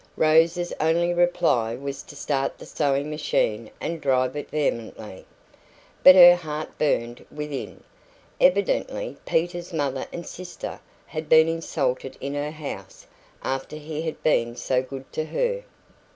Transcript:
Rose's only reply was to start the sewing machine and drive it vehemently. But her heart burned within her. Evidently Peter's mother and sister had been insulted in her house, after he had been so good to her.